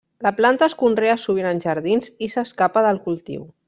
La planta es conrea sovint en jardins i s'escapa del cultiu.